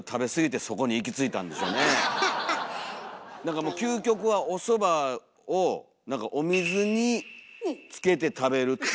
なんかもう究極はおそばをお水につけて食べるっていうね。